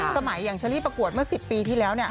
สมัยอย่างเชอรี่ประกวดเมื่อ๑๐ปีที่แล้ว